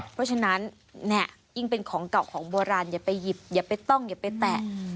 เพราะฉะนั้นเนี่ยยิ่งเป็นของเก่าของโบราณอย่าไปหยิบอย่าไปต้องอย่าไปแตะ